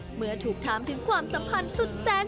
เมื่อถูกถามถึงความสัมพันธ์สุดแซน